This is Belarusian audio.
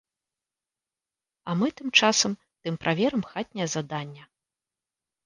А мы тым часам тым праверым хатняе задання.